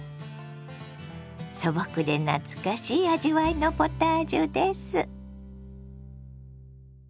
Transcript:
素朴で懐かしい味わいのポタージュです。